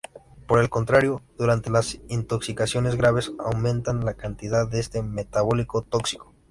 Por el contrario, durante las intoxicaciones graves aumenta la cantidad de este metabolito tóxico.